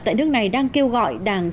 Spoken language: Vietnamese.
tại nước này đang kêu gọi đảng